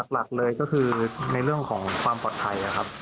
หลักเลยก็คือในเรื่องของความปลอดภัยครับ